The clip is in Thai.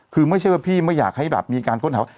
คือไม่ใช่ว่าพี่ไม่อยากให้แบบมีการค้นหาว่า